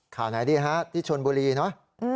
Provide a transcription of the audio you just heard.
ข่าวไหนดีฮะที่ชนบุรีเนอะ